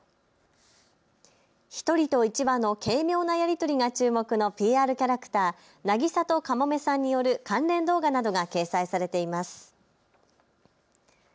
１人と１羽の軽妙なやり取りが注目のＰＲキャラクター、なぎさとカモメさんによる関連動画などが掲載されています。